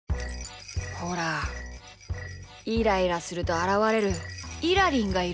ほらイライラするとあらわれるイラりんがいる。